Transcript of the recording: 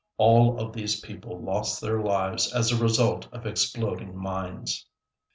All of these people lost their lives as a result of exploding mines.